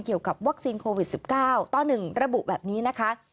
เกี่ยวกับวัคซีนโควิด๑๙ต่อ๑ระบุแบบนี้นะคะ